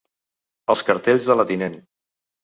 Els cartells de la tinent.